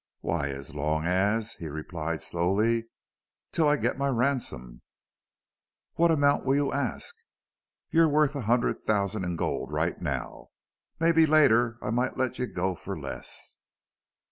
"Why as long as " he replied, slowly, "till I get my ransom." "What amount will you ask?" "You're worth a hundred thousand in gold right now... Maybe later I might let you go for less."